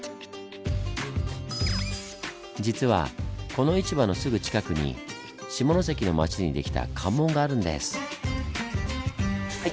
実はこの市場のすぐ近くに下関の町に出来た関門があるんです。